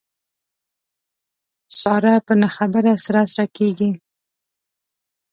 ساره په نه خبره سره سره کېږي.